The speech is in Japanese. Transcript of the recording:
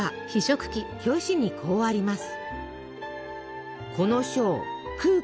表紙にこうあります。